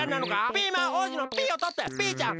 ピーマン王子の「ピー」をとってピーちゃん！